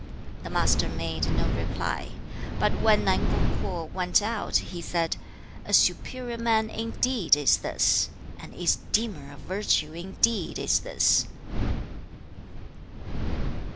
The Master made no reply; but when Nan kung Kwo went out, he said, 'A superior man indeed is this! An esteemer of virtue indeed is this!'